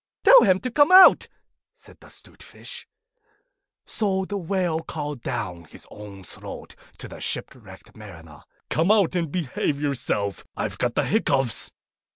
'Tell him to come out,' said the 'Stute Fish. So the Whale called down his own throat to the shipwrecked Mariner, 'Come out and behave yourself. I've got the hiccoughs.